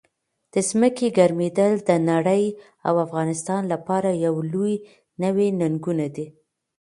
د ځمکې ګرمېدل د نړۍ او افغانستان لپاره یو لوی نوي ننګونه ده.